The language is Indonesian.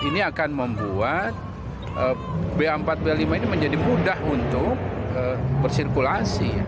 ini akan membuat ba empat b lima ini menjadi mudah untuk bersirkulasi